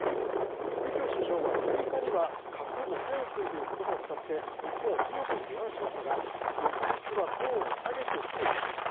李強首相は６日には核汚染水という言葉を使って日本を強く批判しましたが翌日はトーンを下げてきていました。